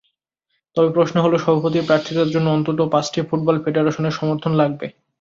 তবে প্রশ্ন হলো, সভাপতি প্রার্থিতার জন্য অন্তত পাঁচটি ফুটবল ফেডারেশনের সমর্থন লাগবে।